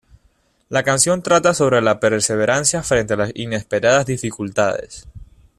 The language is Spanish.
La canción trata sobre la perseverancia frente a las inesperadas dificultades.